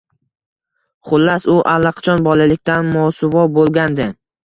Xullas, u allaqachon bolalikdan mosuvo bo‘lgandi.